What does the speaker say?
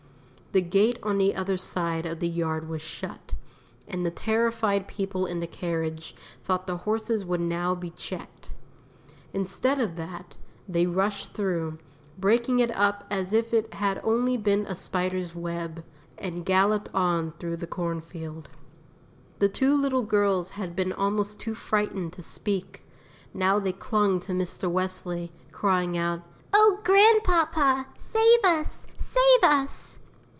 The gate on the other side of the yard was shut, and the terrified people in the carriage thought the horses would now be checked. Instead of that, they rushed through, breaking it up as if it had only been a spider's web, and galloped on through the corn field. The two little girls had been almost too frightened to speak, now they clung to Mr. Wesley, crying out: "Oh grandpapa, save us! save us!"